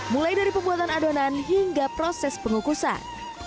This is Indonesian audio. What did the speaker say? mulai dari pembuatan adonan hingga proses pengukusan